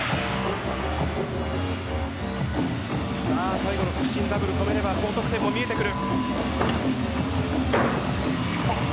最後の屈身ダブル止めれば高得点も見えてくる。